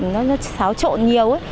nó xáo trộn nhiều